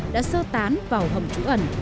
đã sơ tán vào hầm trú ẩn